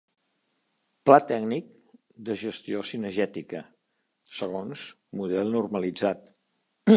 Pla Tècnic de gestió cinegètica, segons model normalitzat.